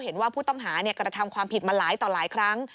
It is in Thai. เห็นว่าผู้ต้องหากระทำความผิดมาหลายต่อหลายครั้ง